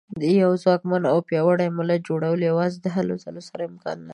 د یوه ځواکمن او پیاوړي ملت جوړول یوازې د هلو ځلو سره امکان لري.